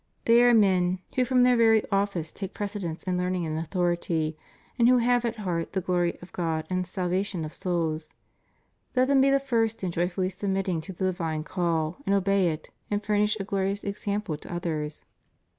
They are men who from their very 406 ANGLICAN ORDERS. office take precedence in learning and authority, and who have at heart the glory of God and the salvation of souls. Let them be the first in jo3''fully submitting to the divine call, and obey it, and furnish a glorious example to others.